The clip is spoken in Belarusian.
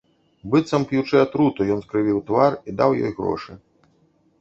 Быццам п'ючы атруту, ён скрывіў твар і даў ёй грошы.